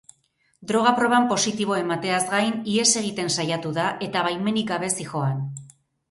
Droga-proban positibo emateaz gain, ihes egiten saiatu da eta baimenik gabe zihoan.